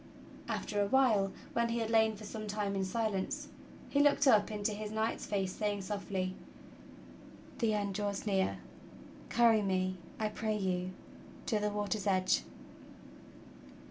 After a while, when he had lain for some time in silence, he looked up into his knight's face saying softly: "The end draws near. Carry me, I pray you, to the water's edge."